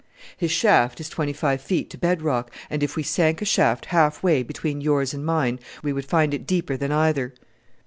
"His shaft is twenty five feet to bed rock, and if we sank a shaft half way between yours and mine we would find it deeper than either."